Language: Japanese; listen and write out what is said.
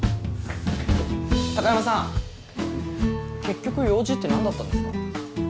結局用事って何だったんですか？